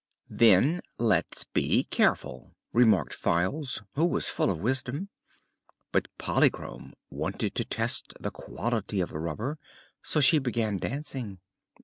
"Then let's be careful," remarked Files, who was full of wisdom; but Polychrome wanted to test the quality of the rubber, so she began dancing.